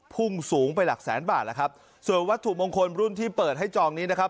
พุ่งสูงไปหลักแสนบาทแล้วครับส่วนวัตถุมงคลรุ่นที่เปิดให้จองนี้นะครับ